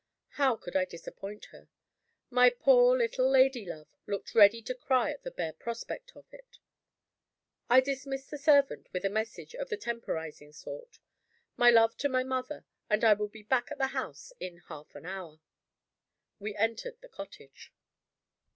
How could I disappoint her? My poor little lady love looked ready to cry at the bare prospect of it. I dismissed the servant with a message of the temporizing sort. My love to my mother and I would be back at the house in half an hour. We entered the cottage.